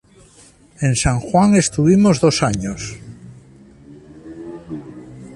En San Juan estuvimos dos años.